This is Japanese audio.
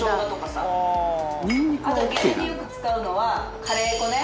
あと減塩によく使うのはカレー粉ね。